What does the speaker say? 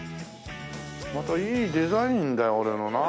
またいいデザインだよ俺のな。